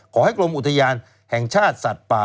กรมอุทยานแห่งชาติสัตว์ป่า